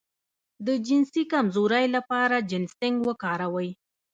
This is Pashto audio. د جنسي کمزوری لپاره جنسینګ وکاروئ